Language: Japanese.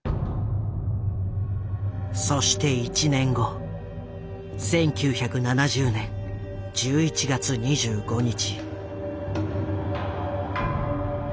そして１年後１９７０年１１月２５日。